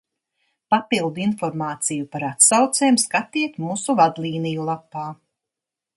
Papildu informāciju par atsaucēm skatiet mūsu vadlīniju lapā.